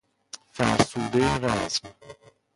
فرسوده رزم